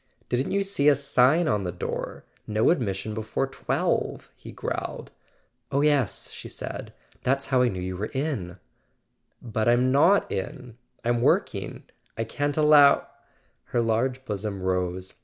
"Didn't you see a sign on the door? 'No admission before twelve' " he growled. "Oh, yes," she said; "that's how I knew you were in." "But I'm not in; I'm working. I can't allow " Her large bosom rose.